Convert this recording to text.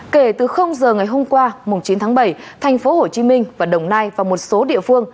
kể từ giờ ngày hôm qua chín tháng bảy thành phố hồ chí minh và đồng nai và một số địa phương